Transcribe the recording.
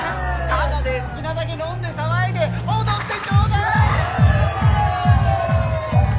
タダで好きなだけ飲んで騒いで踊ってちょうだい！